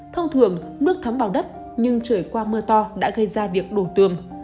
thông thường nước thấm vào đất nhưng trời qua mưa to đã gây ra việc đổ tường